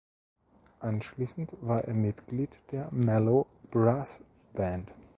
Anschliessend war er Mitglied der „Mellow-Brass“-Band.